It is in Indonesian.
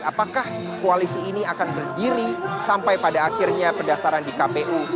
apakah koalisi ini akan berdiri sampai pada akhirnya pendaftaran di kpu